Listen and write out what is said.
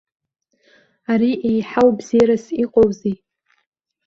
Ари еиҳау бзеирас иҟоузеи?!